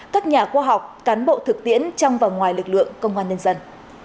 các nhà khoa học cán bộ thực tiễn trong và ngoài lực lượng công an nhân dân